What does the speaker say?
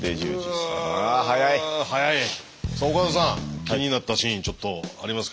さあ岡田さん気になったシーンちょっとありますか？